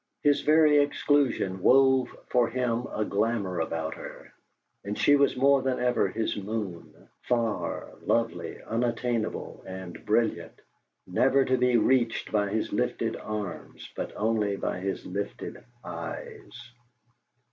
His very exclusion wove for him a glamour about her, and she was more than ever his moon, far, lovely, unattainable, and brilliant, never to be reached by his lifted arms, but only by his lifted eyes.